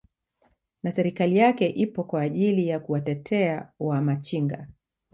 na serikali yake ipo kwa ajili ya kuwatetea wa machinga